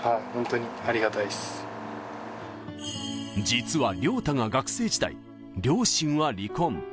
実は凌大が学生時代両親は離婚。